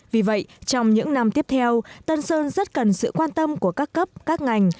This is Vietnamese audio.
vì vậy trong những năm tiếp theo tân sơn rất cần sự quan tâm của các cấp các ngành